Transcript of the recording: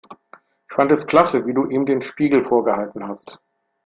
Ich fand es klasse, wie du ihm den Spiegel vorgehalten hast.